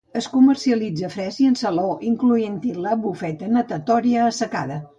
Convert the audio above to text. Es comercialitza fresc i en salaó, incloent-hi la bufeta natatòria assecada.